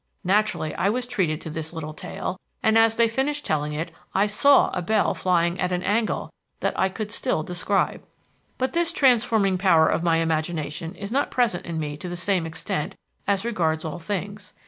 Naturally I was treated to this little tale, and as they finished telling it, I saw a bell flying at an angle that I could still describe. "But this transforming power of my imagination is not present in me to the same extent as regards all things.